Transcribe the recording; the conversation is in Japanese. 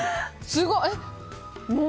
すごい。